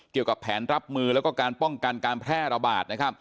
เกี่ยวกับแผนรับมือแล้วก็การป้องกันการแพร่ระบาดนะครับ